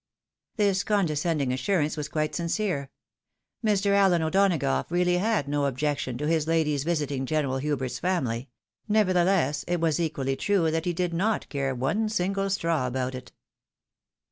This condescending assurance was quite sincere. Mr. Alleu O'Donagough really had no objection to his lady's visiting General Hvibert's family ; nevertheless, it was equally true that he did not care one single straw about it.